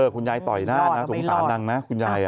คุณยายต่อยหน้าสงสารนางคุณยาย